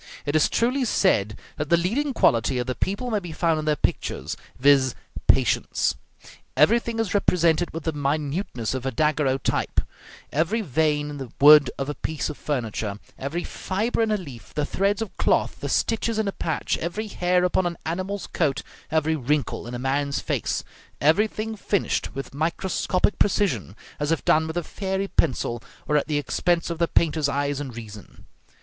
It is truly said that the leading quality of the people may be found in their pictures; viz., patience. Everything is represented with the minuteness of a daguerreotype; every vein in the wood of a piece of furniture, every fibre in a leaf, the threads of cloth, the stitches in a patch, every hair upon an animal's coat, every wrinkle in a man's face; everything finished with microscopic precision, as if done with a fairy pencil, or at the expense of the painter's eyes and reason.